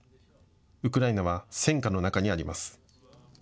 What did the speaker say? ウクライナは戦禍の中にあります。